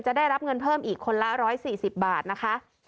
ได้รับเงินเพิ่มอีกคนละ๑๔๐บาทนะคะ